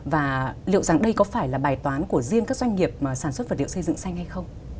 và liệu rằng đây có phải là bài toán của riêng các doanh nghiệp sản xuất vật liệu xây dựng xanh hay không